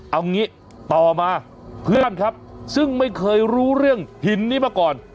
เอางี้ต่อมาเพื่อนครับซึ่งไม่เคยรู้เรื่องหินนี้มาก่อน